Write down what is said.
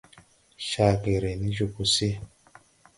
Caa ge ré ne jobo se.